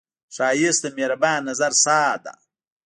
ښایست د مهربان نظر ساه ده